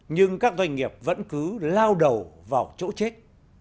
nhưng các doanh nghiệp vẫn cứ lao đầu vào chỗ chết